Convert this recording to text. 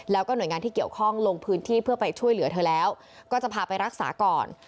แล้วก็หน่วยงานที่เกี่ยวข้องลงพื้นที่เพื่อไปช่วยเหลือเธอแล้วก็จะพาไปรักษาก่อน